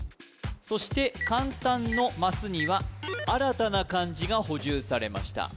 そして「簡単」のマスには新たな漢字が補充されました